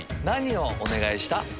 何をお願いした？